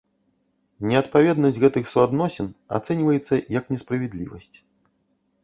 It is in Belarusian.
Неадпаведнасць гэтых суадносін ацэньваецца як несправядлівасць.